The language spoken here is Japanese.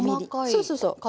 そうそうそう。